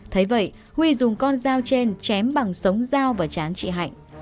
thấy vậy huy dùng con dao trên chém bằng sống dao và chán chị hạnh